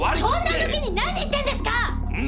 こんな時に何言ってんですか！